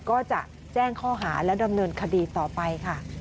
ก็จะแจ้งข้อหาและดำเนินคดีต่อไปค่ะ